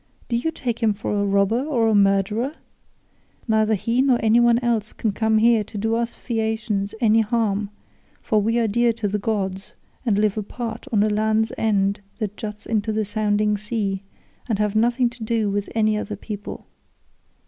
Do you take him for a robber or a murderer? Neither he nor any one else can come here to do us Phaeacians any harm, for we are dear to the gods, and live apart on a land's end that juts into the sounding sea, and have nothing to do with any other people.